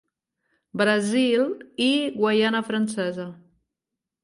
Brasil i Guaiana Francesa.